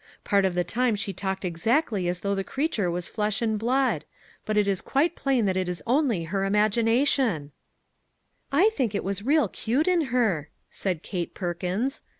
Part of the time she talked exactly as though the creature was flesh and blood ; but it is quite plain that it is only her imagination." 53 MAG AND MARGARET " I think it was real cute in her," said Kate Perkins.